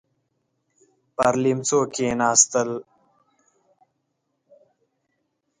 پر ليمڅو کېناستل.